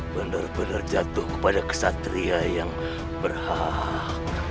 benar benar jatuh kepada kesatria yang berhak